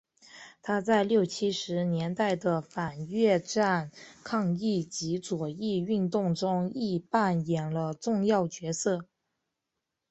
他在六七十年代的反越战抗议及左翼运动中亦扮演了重要角色。